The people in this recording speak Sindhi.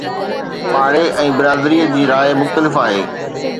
پاڙي ۽ برادريءَ جي راءِ مختلف آهي.